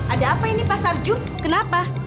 ada apa ini pak sarju kenapa